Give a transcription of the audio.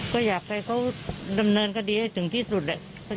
ก็อยากให้เขาดำเนินคดีให้ถึงที่สุดแหละ